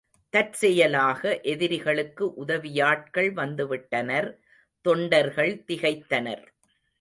தற்செயலாக எதிரிகளுக்கு உதவியாட்கள் வந்துவிட்டனர் தொண்டர்கள் திகைத்தனர்.